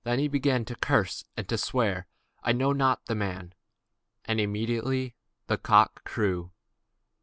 Then began he to curse and to swear, saying, I know not the man. And immediately the cock crew.